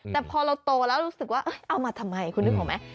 แต่พอเราโตแล้วรู้สึกว่าเอามาทำไมคุณรู้หรือเปล่าไหม